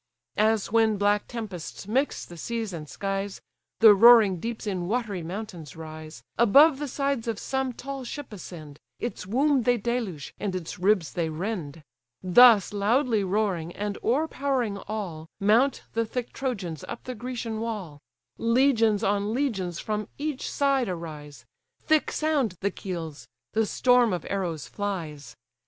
As, when black tempests mix the seas and skies, The roaring deeps in watery mountains rise, Above the sides of some tall ship ascend, Its womb they deluge, and its ribs they rend: Thus loudly roaring, and o'erpowering all, Mount the thick Trojans up the Grecian wall; Legions on legions from each side arise: Thick sound the keels; the storm of arrows flies.